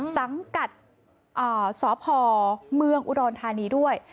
สังกัดสพเมืองอุดรธานีด้วย